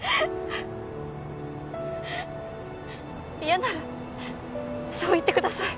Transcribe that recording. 嫌ならそう言ってください。